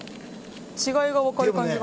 違いが分かる感じが。